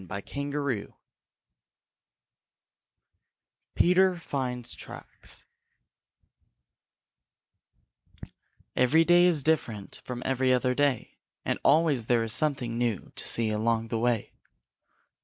CHAPTER VII PETER FINDS TRACKS Every day is different from every other day, And always there is something new to see along the way.